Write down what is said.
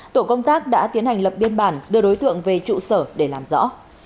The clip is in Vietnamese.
tổ công tác đã tiến hành lập biên bản đưa đối tượng về trụ sở để làm rõ